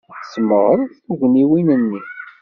Tesmeɣreḍ tugniwin-nni.